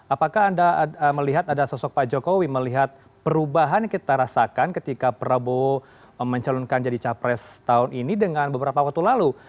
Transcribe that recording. apakah anda melihat ada sosok pak jokowi melihat perubahan yang kita rasakan ketika prabowo mencalonkan jadi capres tahun ini dengan beberapa waktu lalu